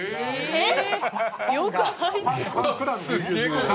えっ！？